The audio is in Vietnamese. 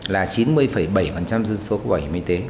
là chín mươi bảy dân số của bảo hiểm y tế